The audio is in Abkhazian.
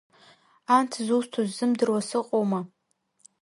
Анҭ зусҭоу сзымдыруа сыҟоума…